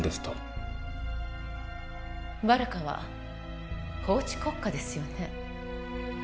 バルカは法治国家ですよね？